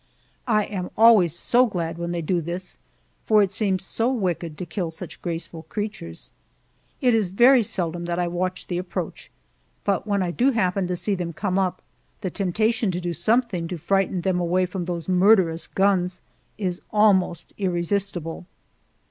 I am always so glad when they do this, for it seems so wicked to kill such graceful creatures. It is very seldom that I watch the approach, but when I do happen to see them come up, the temptation to do something to frighten them away from those murderous guns is almost irresistible.